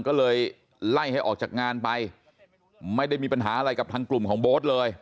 ก็เลยไล่ให้ออกจากงานไปไม่ได้มีปัญหาอะไรกับทางกลุ่มของโบ๊ทเลย